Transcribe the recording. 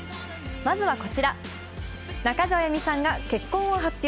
まずはこちら、中条あやみさんが結婚を発表。